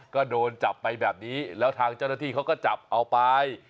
ก็โดนจับไปแบบนี้แล้วทางเจ้าหน้าที่เขาก็จับเอาไป